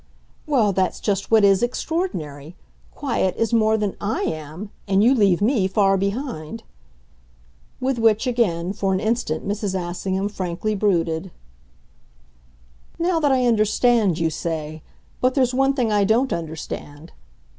"Well, that's just what is extraordinary. 'Quiet' is more than I am, and you leave me far behind." With which, again, for an instant, Mrs. Assingham frankly brooded. "'Now that I understand,' you say but there's one thing I don't understand."